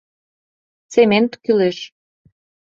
Цемент кӱлеш...